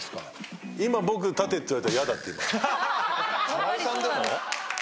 川合さんでも？